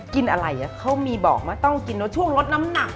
กินอะไรเขามีบอกไหมต้องกินแล้วช่วงลดน้ำหนัก